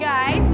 gak ada apa apa